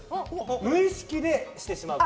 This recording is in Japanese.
無意識でしてしまうこと。